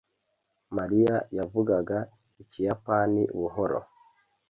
mariya yavugaga ikiyapani buhoro